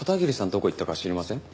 どこ行ったか知りません？